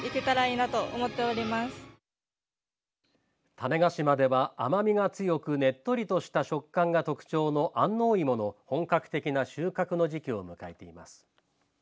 種子島では甘みが強くねっとりとした食感が特徴の安納芋の本格的な収穫の時期を迎えています。